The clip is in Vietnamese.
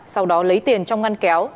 sau đó lấy tiền trong ngăn kéo